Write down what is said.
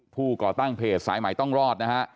ก่อตั้งเพจสายใหม่ต้องรอดนะฮะ